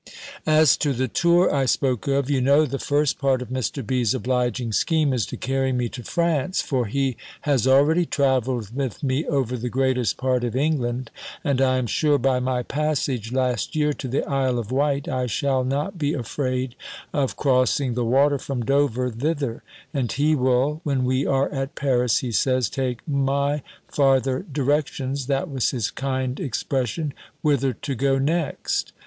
As to the tour I spoke of, you know, the first part of Mr. B.'s obliging scheme is to carry me to France; for he has already travelled with me over the greatest part of England; and I am sure, by my passage last year, to the Isle of Wight, I shall not be afraid of crossing the water from Dover thither; and he will, when we are at Paris, he says, take my farther directions (that was his kind expression) whither to go next.